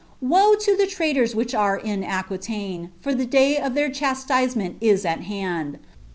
" Woe lo the traitors which are in Aqnilaine, for ilie day of theirdas' tisement is at hand